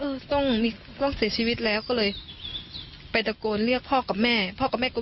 ต้องมีต้องเสียชีวิตแล้วก็เลยไปตะโกนเรียกพ่อกับแม่พ่อกับแม่กลัว